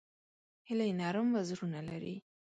هیلۍ نرم وزرونه لري